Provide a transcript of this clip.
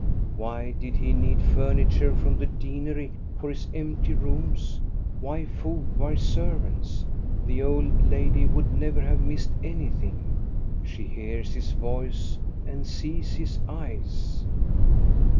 Why did he need furniture from the deanery for his empty rooms; why food, why servants? The old lady would never have missed anything. She hears his voice and sees his eyes.